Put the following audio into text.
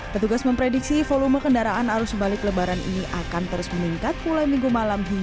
petugas memprediksi volume kendaraan arus balik lebaran ini akan terus meningkat mulai minggu malam